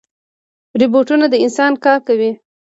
روبوټونه د انسان کار کوي